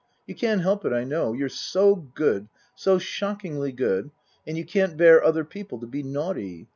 You can't help it, I know. You're so good, so shockingly good, and you can't bear other people to be naughty.